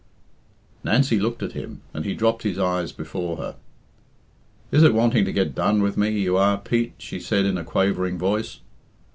Nancy looked at him, and he dropped his eyes before her. "Is it wanting to get done with me, you are, Pete?" she said in a quavering voice.